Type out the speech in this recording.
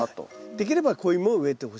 できれば子イモを植えてほしいと。